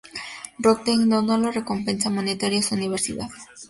Röntgen donó la recompensa monetaria a su universidad.